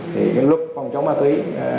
thì lúc phòng chống ma túy